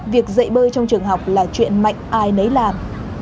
việc dạy bơi trong trường học là chuyện mạnh ai nấy làm